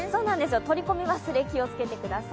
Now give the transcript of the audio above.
取り込み忘れ、注意してください